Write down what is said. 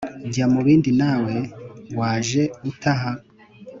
"jya mu bindi nawe, waje ute aha?"